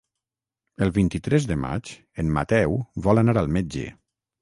El vint-i-tres de maig en Mateu vol anar al metge.